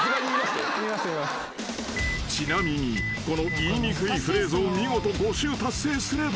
［ちなみにこの言いにくいフレーズを見事５周達成すれば］